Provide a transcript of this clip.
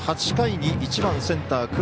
８回に１番センター